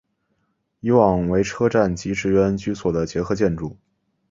以往为车站及职员居所的结合建筑。